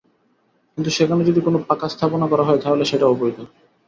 কিন্তু সেখানে যদি কোনো পাকা স্থাপনা করা হয়, তাহলে সেটা অবৈধ।